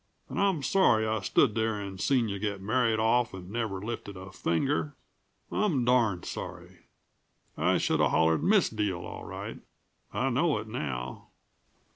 And I am sorry I stood there and seen you get married off and never lifted a finger; I'm darned sorry. I shoulda hollered misdeal, all right. I know it now."